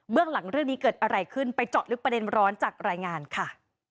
เรื่องหลังเรื่องนี้เกิดอะไรขึ้นไปเจาะลึกประเด็นร้อนจากรายงานค่ะ